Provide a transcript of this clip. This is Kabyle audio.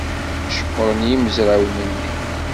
Ceqqren yimezrawen-nni.